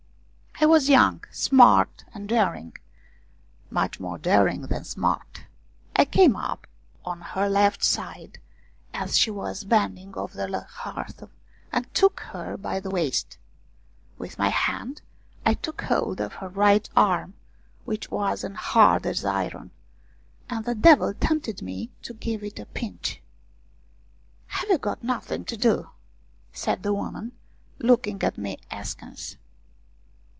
I was young, smart and daring, much more daring than smart. I came up on her left side as she was bending over the hearth, and took her by the waist ! with my hand I took hold of her right arm, which was as hard as iron, and the devil tempted me to give it a pinch. " Have you got nothing to do ?" said the woman, looking at me askance.